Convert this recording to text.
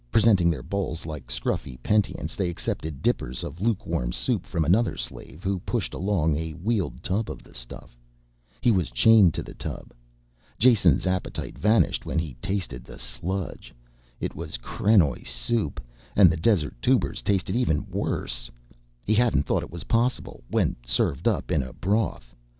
Presenting their bowls like scruffy penitents they accepted dippers of lukewarm soup from another slave who pushed along a wheeled tub of the stuff: he was chained to the tub. Jason's appetite vanished when he tasted the sludge. It was krenoj soup, and the desert tubers tasted even worse he hadn't thought it was possible when served up in a broth.